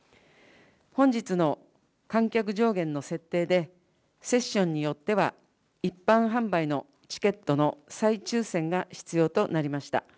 本日の観客上限の設定で、セッションによっては一般販売のチケットの再抽せんが必要となりました。